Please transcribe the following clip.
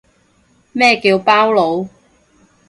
咩叫包佬